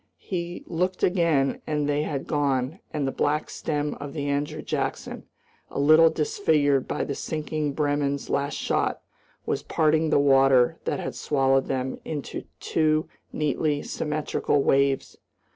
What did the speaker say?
He looked again and they had gone, and the black stem of the Andrew Jackson, a little disfigured by the sinking Bremen's last shot, was parting the water that had swallowed them into two neatly symmetrical waves.